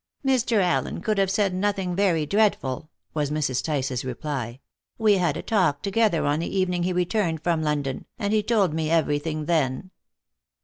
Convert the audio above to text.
"Mr. Allen could have said nothing very dreadful," was Mrs. Tice's reply; "we had a talk together on the evening he returned from London, and he told me everything then."